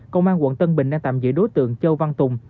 công an quận tân bình đang tạm giữ đối tượng châu văn tùng